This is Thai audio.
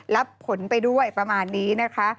รับผลไปด้วยประมาณนี้นะคะ